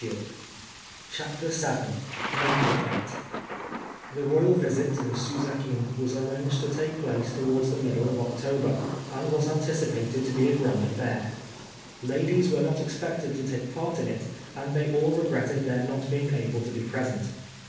"] CHAPTER VII MAPLE FÊTE The Royal visit to the Suzak in was arranged to take place towards the middle of October, and was anticipated to be a grand affair. Ladies were not expected to take part in it, and they all regretted their not being able to be present.